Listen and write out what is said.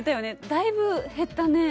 だいぶ減ったね。